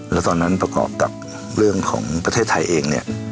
แล้วตอนนั้นประกอบกับเรื่องของประเทศไทยเองเนี่ย